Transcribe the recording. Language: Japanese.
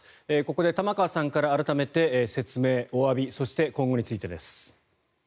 ここで玉川さんから改めて説明、おわびそして、今後についてです。